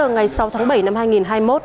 ngày sáu tháng bảy năm hai nghìn hai mươi một